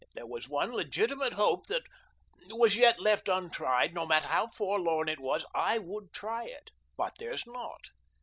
If there was one legitimate hope that was yet left untried, no matter how forlorn it was, I would try it. But there's not.